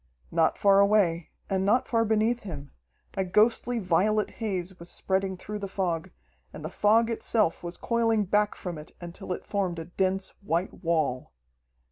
Not far away, and not far beneath him, a ghostly violet haze was spreading through the fog, and the fog itself was coiling back from it until it formed a dense white wall.